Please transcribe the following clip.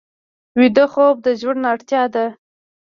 ویده خوب د ژوند اړتیا ده